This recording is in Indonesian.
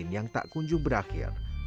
yang tak kunjung berakhir